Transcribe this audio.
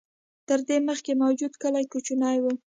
تر دې مخکې موجود کلي کوچني و.